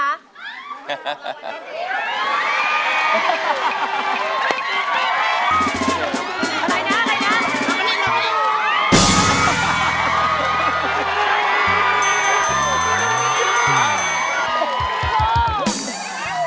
อะไรนะ